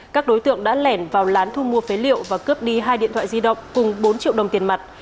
các đối tượng đã lẻn vào lán thu mua phế liệu và cướp đi hai điện thoại di động cùng bốn triệu đồng tiền mặt